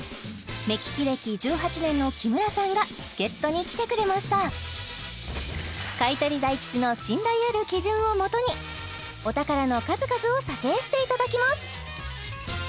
目利き歴１８年の木村さんが助っ人に来てくれました買取大吉の信頼ある基準をもとにお宝の数々を査定していただきます